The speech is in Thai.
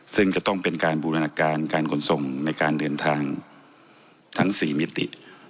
ซึ่งจะต้องเป็นการบูรณาการการขนส่งในการเดินทางทั้ง๔มิติ